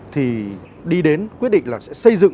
thì đi đến quyết định là sẽ xây dựng